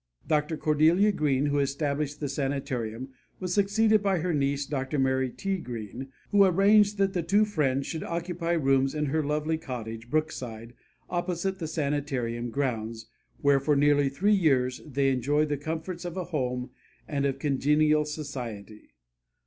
Dr. Cordelia Greene, who established the Sanitarium, was succeeded by her niece, Dr. Mary T. Greene, who arranged that the two friends should occupy rooms in her lovely cottage, Brookside, opposite the Sanitarium grounds, where for nearly three years they enjoyed the comforts of a home and of congenial society.